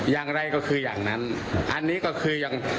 อย่างไรก็คืออย่างนั้นอันนี้ก็คือยัง